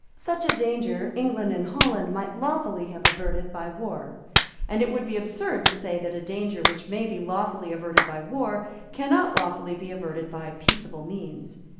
Such a danger England and Holland might lawfully have averted by war; and it would be absurd to say that a danger which may be lawfully averted by war cannot lawfully be averted by peaceable means.